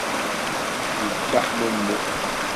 yebbaḥ mummu.